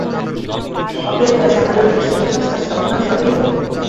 অতএব ব্যস্ত হয়ো না, ঈশ্বরেচ্ছায় সময়ে সবই হবে।